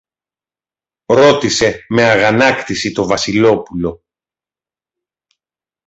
ρώτησε με αγανάκτηση το Βασιλόπουλο.